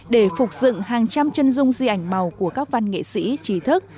để phục dựng hàng trăm chân dung di ảnh màu của các văn nghệ sĩ trí thức